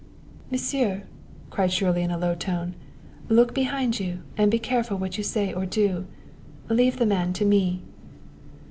"Monsieur!" cried Shirley in a low tone; "look behind you and be careful what you say or do. Leave the man to me."